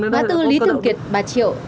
bá tư lý thường kiệt bà triệu